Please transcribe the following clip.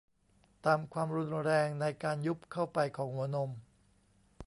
ตามความรุนแรงในการยุบเข้าไปของหัวนม